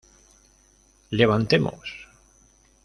¡levantemos!